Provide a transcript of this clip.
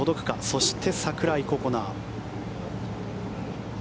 そして櫻井心那。